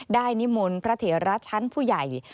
นิมนต์พระเถระชั้นผู้ใหญ่